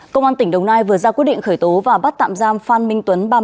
công an tỉnh đồng nai vừa ra quyết định khởi tố và bắt tạm giam phan minh tuấn